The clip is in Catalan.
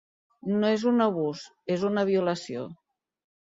No és un abús, és una violació.